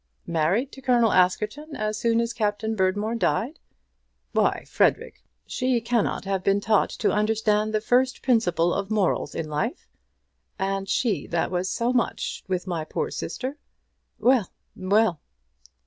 Married to Colonel Askerton as soon as Captain Berdmore died! Why, Frederic, she cannot have been taught to understand the first principle of morals in life! And she that was so much with my poor sister! Well, well!"